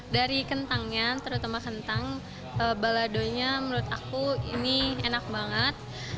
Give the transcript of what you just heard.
dari kentangnya terutama kentang baladonya menurut aku ini enak banget